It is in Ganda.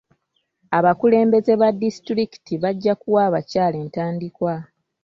Abakulembeze ba disitulikiti bajja kuwa abakyala entandikwa.